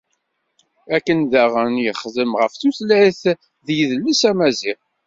Akken daɣen yexdem ɣef tutlayt d yidles amaziɣ.